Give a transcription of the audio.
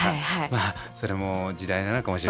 まあそれも時代なのかもしれませんね。